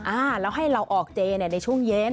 อ่าแล้วให้เราออกเจในช่วงเย็น